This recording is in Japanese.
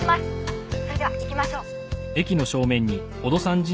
それでは行きましょう。